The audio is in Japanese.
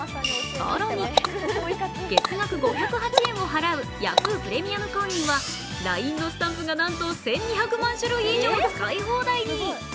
更に月額５０８円を払うＹａｈｏｏ！プレミアム会員はＬＩＮＥのスタンプがなんと１２００万種類以上使い放題に。